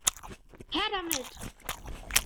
Her damit!